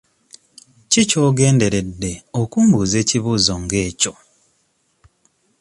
Ki ky'ogenderedde okumbuuza ekibuuzo nga ekyo?